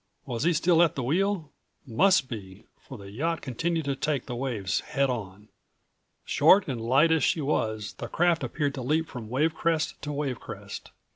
Was he still at the wheel? Must be, for the yacht continued to take the waves head on. Short and light as she was, the craft appeared to leap from wave crest to wave crest.